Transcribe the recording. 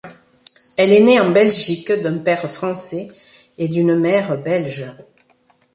Elle est née en Belgique, d'un père français et d'une mère belge.